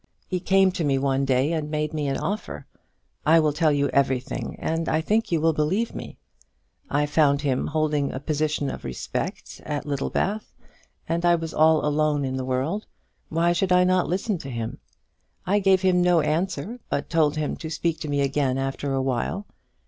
He came to me one day and made me an offer. I will tell you everything, and I think you will believe me. I found him holding a position of respect, at Littlebath, and I was all alone in the world. Why should I not listen to him? I gave him no answer, but told him to speak to me again after a while.